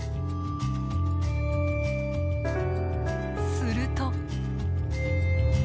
すると。